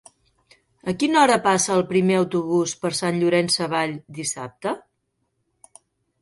A quina hora passa el primer autobús per Sant Llorenç Savall dissabte?